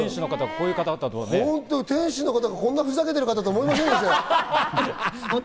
店主の方がこんなふざけてる方だとは思いませんでした。